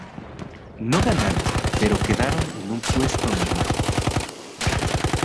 No ganaron, pero quedaron en un puesto normal.